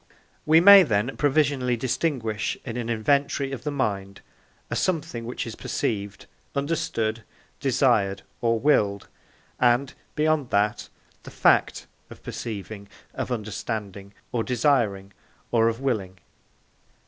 We may then provisionally distinguish in an inventory of the mind a something which is perceived, understood, desired, or willed, and, beyond that, the fact of perceiving, of understanding, or desiring, or of willing.